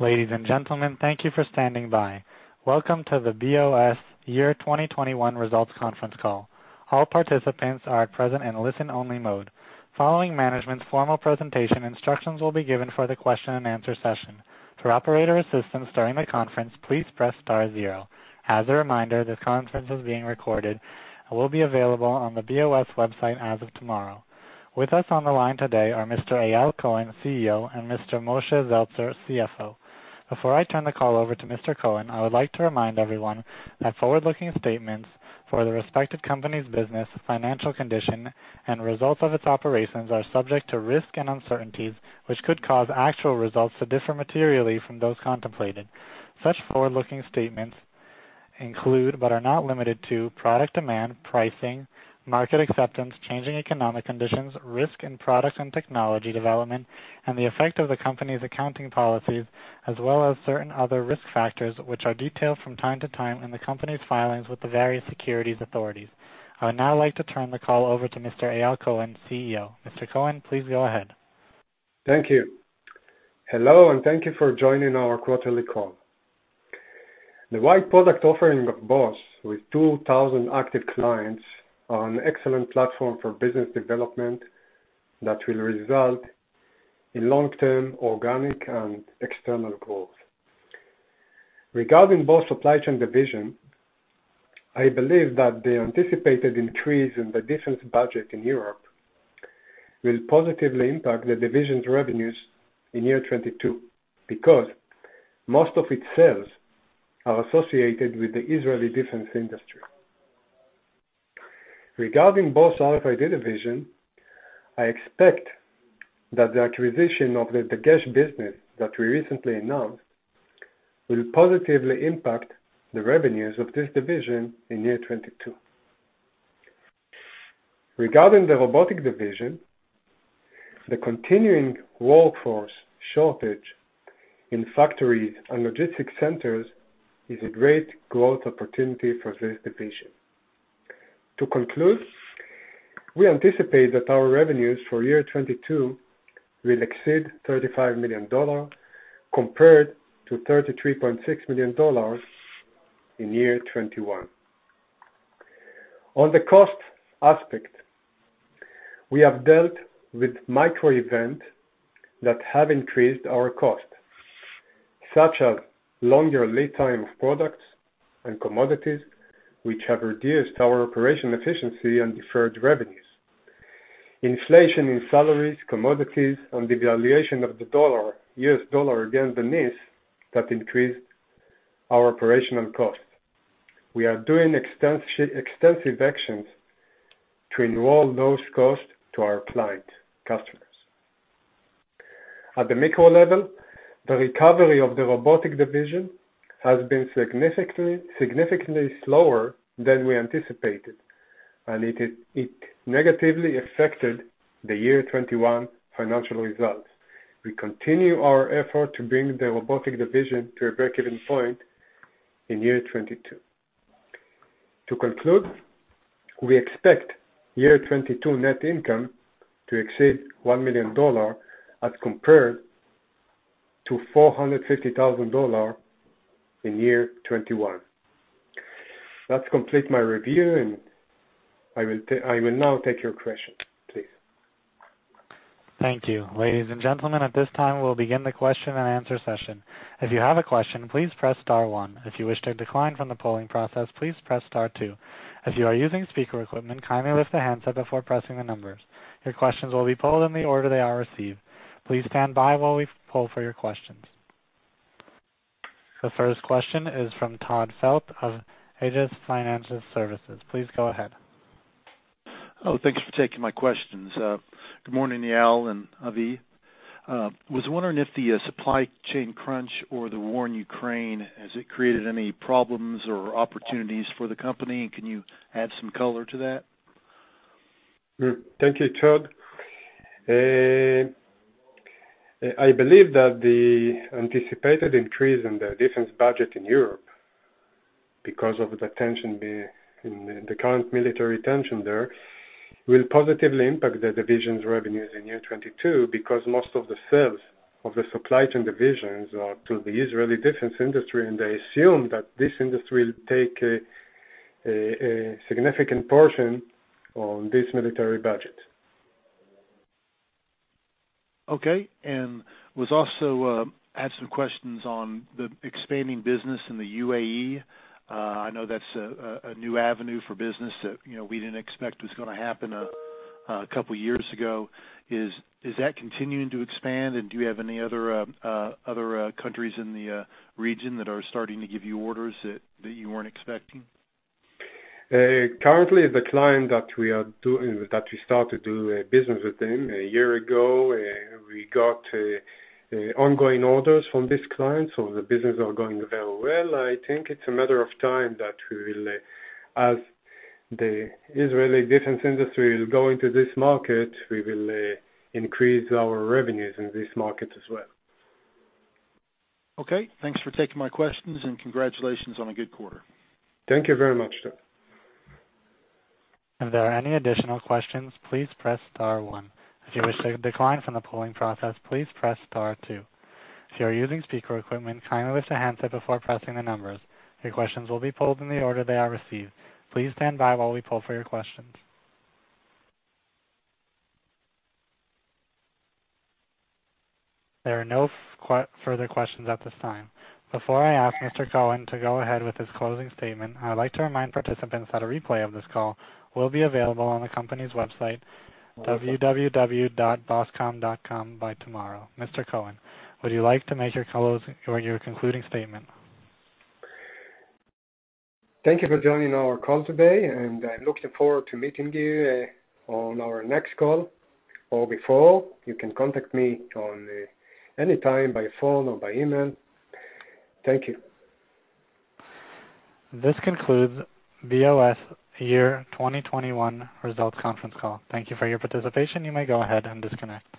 Ladies and gentlemen, thank you for standing by. Welcome to the BOS 2021 Results Conference Call. All participants are at present in listen-only mode. Following management's formal presentation, instructions will be given for the question and answer session. For operator assistance during the conference, please press star zero. As a reminder, this conference is being recorded and will be available on the BOS website as of tomorrow. With us on the line today are Mr. Eyal Cohen, CEO, and Mr. Moshe Zeltzer, CFO. Before I turn the call over to Mr. Cohen, I would like to remind everyone that forward-looking statements for the respective company's business, financial condition, and results of its operations are subject to risk and uncertainties, which could cause actual results to differ materially from those contemplated. Such forward-looking statements include, but are not limited to product demand, pricing, market acceptance, changing economic conditions, risk in product and technology development, and the effect of the company's accounting policies, as well as certain other risk factors, which are detailed from time to time in the company's filings with the various securities authorities. I would now like to turn the call over to Mr. Eyal Cohen, CEO. Mr. Cohen, please go ahead. Thank you. Hello, and thank you for joining our quarterly call. The wide product offering of BOS with 2,000 active clients are an excellent platform for business development that will result in long-term organic and external growth. Regarding BOS Supply Chain Division, I believe that the anticipated increase in the defense budget in Europe will positively impact the division's revenues in year 2022, because most of its sales are associated with the Israeli defense industry. Regarding BOS RFID Division, I expect that the acquisition of the Dagesh business that we recently announced will positively impact the revenues of this division in year 2022. Regarding the Robotic Division, the continuing workforce shortage in factories and logistics centers is a great growth opportunity for this division. To conclude, we anticipate that our revenues for year 2022 will exceed $35 million compared to $33.6 million in year 2021. On the cost aspect, we have dealt with macro events that have increased our cost, such as longer lead time of products and commodities, which have reduced our operational efficiency and deferred revenues, inflation in salaries, commodities, and the valuation of the dollar, U.S. dollar against the NIS that increased our operational costs. We are doing extensive actions to pass those costs to our client customers. At the micro level, the recovery of the robotic division has been significantly slower than we anticipated, and it negatively affected the 2021 financial results. We continue our effort to bring the robotic division to a breakeven point in 2022. To conclude, we expect 2022 net income to exceed $1 million as compared to $450,000 in 2021. That completes my review, and I will now take your questions, please. Thank you. Ladies and gentlemen, at this time, we'll begin the question-and-answer session. If you have a question, please press star one. If you wish to decline from the polling process, please press star two. If you are using speaker equipment, kindly lift the handset before pressing the numbers. Your questions will be polled in the order they are received. Please stand by while we poll for your questions. The first question is from Todd Felte of AGES Financial Services. Please go ahead. Oh, thank you for taking my questions. Good morning, Eyal and Avi. I was wondering if the supply chain crunch or the war in Ukraine has it created any problems or opportunities for the company, and can you add some color to that? Thank you, Todd. I believe that the anticipated increase in the defense budget in Europe because of the tension in the current military tension there will positively impact the division's revenues in 2022, because most of the sales of the supply chain divisions are to the Israeli defense industry, and I assume that this industry will take a significant portion on this military budget. Okay. I had some questions on the expanding business in the UAE. I know that's a new avenue for business that, you know, we didn't expect was gonna happen a couple years ago. Is that continuing to expand, and do you have any other countries in the region that are starting to give you orders that you weren't expecting? Currently, the client that we start to do business with them a year ago, we got ongoing orders from this client, so the business are going very well. I think it's a matter of time. As the Israeli defense industry is going to this market, we will increase our revenues in this market as well. Okay. Thanks for taking my questions, and congratulations on a good quarter. Thank you very much, Todd. If there are any additional questions, please press star one. If you wish to decline from the polling process, please press star two. If you are using speaker equipment, kindly lift the handset before pressing the numbers. Your questions will be polled in the order they are received. Please stand by while we poll for your questions. There are no further questions at this time. Before I ask Mr. Cohen to go ahead with his closing statement, I'd like to remind participants that a replay of this call will be available on the company's website, www.boscom.com by tomorrow. Mr. Cohen, would you like to make your close or your concluding statement? Thank you for joining our call today, and I'm looking forward to meeting you on our next call or before. You can contact me at any time by phone or by email. Thank you. This concludes BOS year 2021 results conference call. Thank you for your participation. You may go ahead and disconnect.